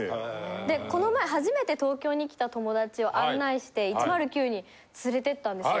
でこの前初めて東京に来た友達を案内して１０９に連れてったんですよ。